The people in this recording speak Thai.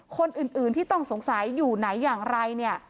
คนอื่นที่ต้องสงสัยอยู่ไหนอย่างไรเนี่ย